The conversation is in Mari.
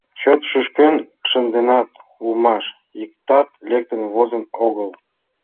— Чот шӱшкын шынденат улмаш, иктат лектын возын огыл.